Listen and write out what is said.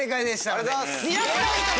ありがとうございます。